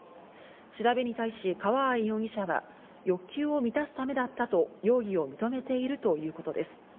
調べに対し、川合容疑者は欲求を満たすためだったと容疑を認めているということです。